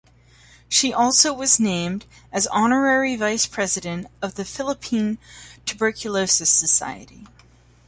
She also was named as honorary vice-president of the Philippine Tuberculosis Society.